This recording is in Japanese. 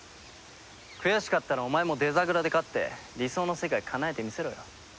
悔しかったらお前もデザグラで勝って理想の世界かなえてみせろよ。